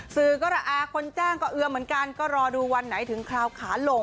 สื่อก็ระอาคนจ้างก็เอื้อเหมือนกัน